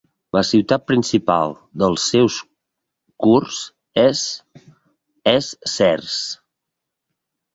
La ciutat principal del seu curs és Es Sers.